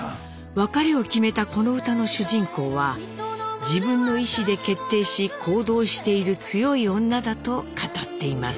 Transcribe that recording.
別れを決めたこの歌の主人公は「自分の意思で決定し行動している強い女」だと語っています。